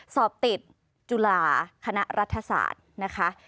สอบติดจุฬาคณะรัฐศาสตร์นะคะ